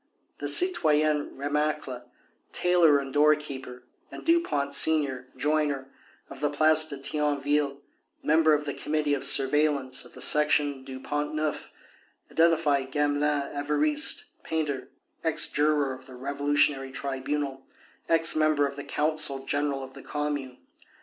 The citoyens Remacle, tailor and door keeper, and Dupont senior, joiner, of the Place de Thionville, member of the Committee of Surveillance of the Section du Pont Neuf, identified Gamelin (Évariste), painter, ex juror of the Revolutionary Tribunal, ex member of the Council General of the Commune.